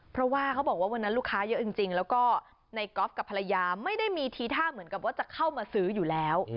เพราะว่าเขาบอกว่าวันนั้นลูกค้าเยอะจริงแล้วก็ในก๊อฟกับภรรยาไม่ได้มีทีท่าเหมือนกับว่าจะเข้ามาซื้ออยู่แล้ว